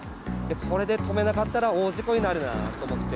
これで止めなかったら大事故になるなと思って。